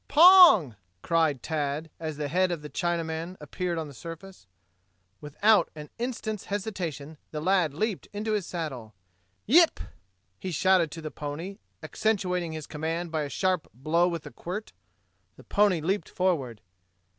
"Pong!" cried Tad as the head of the Chinaman appeared on the surface. Without an instant's hesitation the lad leaped into his saddle. "Yip!" he shouted to the pony, accentuating his command by a sharp blow with the quirt. The pony leaped forward.